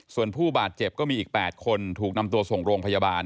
ส่วนผู้บาดเจ็บก็มีอีก๘คนถูกนำตัวส่งโรงพยาบาล